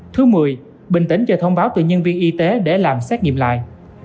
thứ mười bình tĩnh chờ thông báo từ nhân viên y tế để làm xét nghiệm lại